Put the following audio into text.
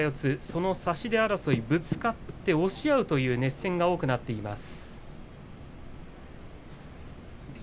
その差し手争いぶつかって押し合うという熱戦が多くなっています。